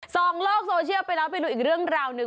ส่งโลกโซเชียลไปแล้วไปดูอีกเรื่องราวหนึ่ง